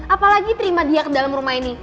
apalagi terima dia ke dalam rumah ini